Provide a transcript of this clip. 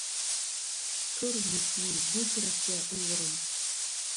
تۇر مۇشتنى بۇ كۈرەشكە ئۇيغۇرۇم!